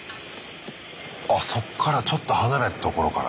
あっそっからちょっと離れた所から。